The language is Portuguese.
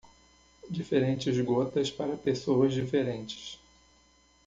Diferentes gotas para pessoas diferentes.